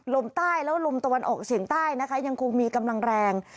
ลมใต้แล้วลมตะวันออกเฉียงใต้นะคะยังคงมีกำลังแรง